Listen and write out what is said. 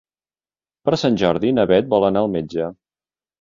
Per Sant Jordi na Bet vol anar al metge.